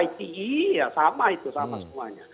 ite ya sama itu sama semuanya